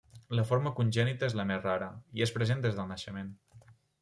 La forma congènita és la més rara, i és present des del naixement.